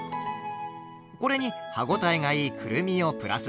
これに歯応えがいいくるみをプラス。